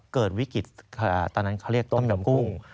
เกิดวิกฤตตอนนั้นเขาเรียกต้มยำกุ้ง